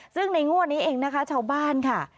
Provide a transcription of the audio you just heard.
ซึ่งในงวดนี้เองนะคะชาวบ้านค่ะ